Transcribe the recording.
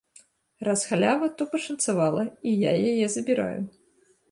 Раз халява, то пашанцавала і я яе забіраю.